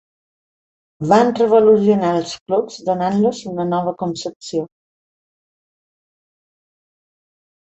Van revolucionar els clubs donant-los una nova concepció.